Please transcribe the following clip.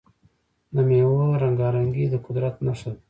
د میوو رنګارنګي د قدرت نښه ده.